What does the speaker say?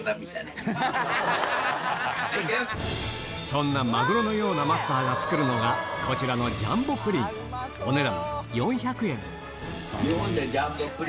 そんなマグロのようなマスターが作るのがこちらのジャンボプリンって。